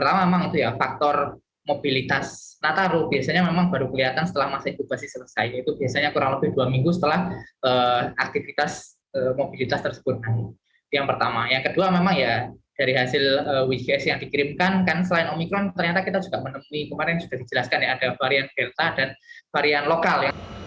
hasil wgs yang dikirimkan kan selain omikron ternyata kita juga menemui kemarin sudah dijelaskan ya ada varian delta dan varian lokal